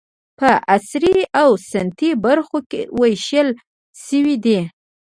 په عصري او سنتي برخو وېشل شوي دي.